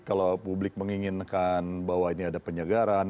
kalau publik menginginkan bahwa ini ada penyegaran